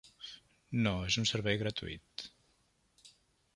No, és un servei gratuït.